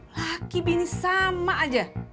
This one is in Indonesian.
laki bini sama aja